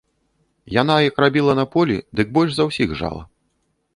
Яна як рабіла на полі, дык больш за ўсіх жала.